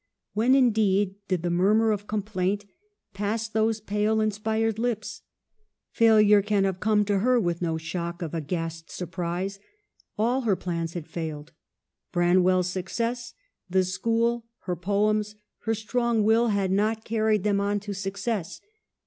When, indeed, did the murmur of complaint pass those pale, inspired lips ? Failure can have come to her with no shock of aghast surprise. All her plans had failed ; Branwell's success, the school, her poems : her strong will had not car ried them on to success.